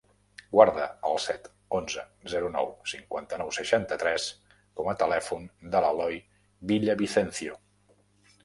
Guarda el set, onze, zero, nou, cinquanta-nou, seixanta-tres com a telèfon de l'Eloy Villavicencio.